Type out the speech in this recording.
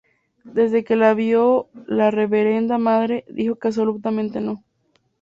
Desde que la vio la Reverenda Madre, dijo que absolutamente no.